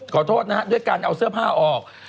ขอโทษนะฮะด้วยการเอาเสื้อผ้าออก